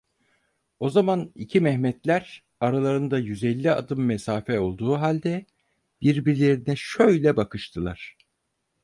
O zaman iki Mehmetler, aralarında yüz elli adım mesafe olduğu halde, birbirlerine şöyle bakıştılar.